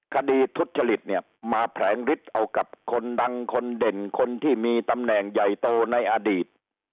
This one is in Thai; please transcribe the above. ทุจริตเนี่ยมาแผลงฤทธิ์เอากับคนดังคนเด่นคนที่มีตำแหน่งใหญ่โตในอดีต